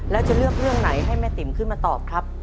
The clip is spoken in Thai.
แล้วจะเลือกเรื่องไหนให้แม่ติ๋มขึ้นมาตอบครับ